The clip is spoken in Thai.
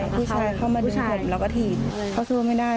ผู้ชายเข้ามาถมแล้วก็ถีบเขาสู้ไม่ได้